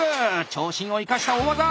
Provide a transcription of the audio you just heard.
長身を生かした大技！